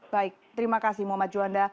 baik terima kasih muhammad juanda